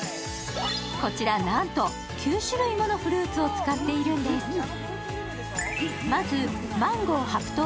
こちら、なんと９種類ものフルーツを使っているんです。